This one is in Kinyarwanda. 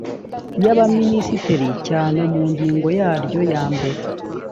y abaminisitiri cyane mu ngingo yaryo ya mbere